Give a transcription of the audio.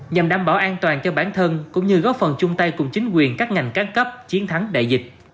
nhằm đảm bảo an toàn cho bản thân cũng như góp phần chung tay cùng chính quyền các ngành các cấp chiến thắng đại dịch